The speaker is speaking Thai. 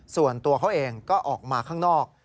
ส่วนตัวเขาเองก็ออกมาข้างนอก